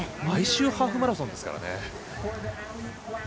毎週ハーフマラソンですからね。